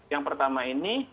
yang pertama ini